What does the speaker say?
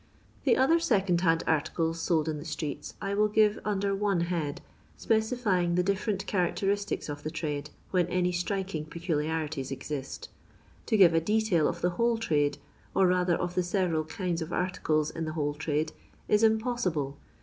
The other seoond hand articles sold in the atr»ett I will give under one head, specifying the diffiirent characteristics of the trade, when any striking peculiarities exist To give a detail of the whole trade, or rather of the several kinds of articles in the whole trade, is impossible.